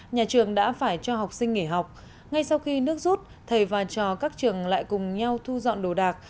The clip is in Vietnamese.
nhà trường đã phải cho học sinh nghỉ học ngay sau khi nước rút thầy và trò các trường lại cùng nhau thu dọn đồ đạc